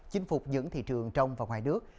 chinh phục những thị trường trong và ngoài nước